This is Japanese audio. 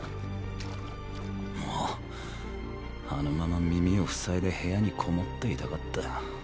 もうあのまま耳を塞いで部屋に籠もっていたかった。